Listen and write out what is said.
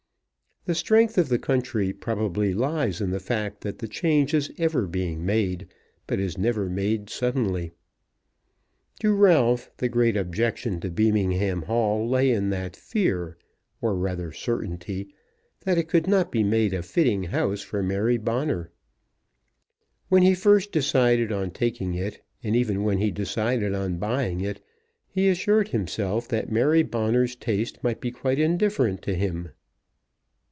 The strength of the country probably lies in the fact that the change is ever being made, but is never made suddenly. To Ralph the great objection to Beamingham Hall lay in that fear, or rather certainty, that it could not be made a fitting home for Mary Bonner. When he first decided on taking it, and even when he decided on buying it, he assured himself that Mary Bonner's taste might be quite indifferent to him.